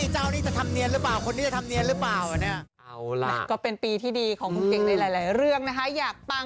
เจ้านี่จะทำเนียนหรือเปล่า